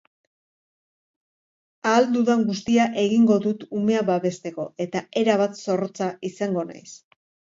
Ahal dudan guztia egingo dut umea babesteko, eta erabat zorrotza izango naiz.